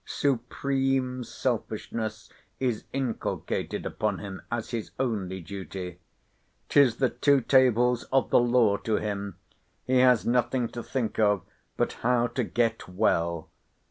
Supreme selfishness is inculcated upon him as his only duty. 'Tis the Two Tables of the Law to him. He has nothing to think of but how to get well.